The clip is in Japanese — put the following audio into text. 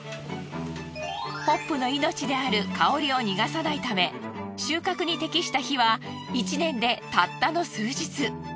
ホップの命である香りを逃がさないため収穫に適した日は１年でたったの数日。